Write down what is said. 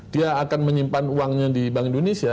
dia akan menyimpan uangnya di bank indonesia